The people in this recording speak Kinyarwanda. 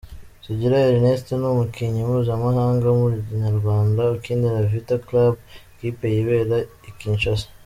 Sugira Ernest ni umukinnyi mpuzamahanga w'umunyarwanda ukinira Vita Club ikipe yibera i Kinshasa.